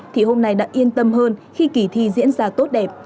thì hôm nay đã yên tâm hơn khi kỳ thi diễn ra tốt đẹp